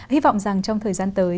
hy vọng rằng trong thời gian tới